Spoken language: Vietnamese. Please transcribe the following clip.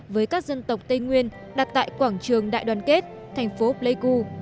với các dân tộc tây nguyên đặt tại quảng trường đại đoàn kết thành phố pleiku